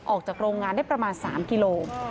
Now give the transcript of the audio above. ออกจากโรงงานได้ประมาณ๓กิโล